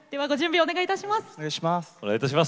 お願いします。